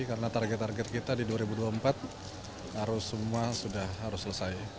karena target target kita di dua ribu dua puluh empat harus selesai